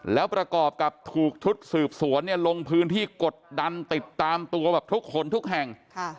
แล้วประกอบกับถูกชุดสืบสวนเนี่ยลงพื้นที่กดดันติดตามตัวแบบทุกคนทุกแห่ง